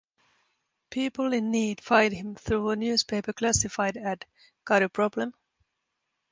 People in need find him through a newspaper classified ad: Got a problem?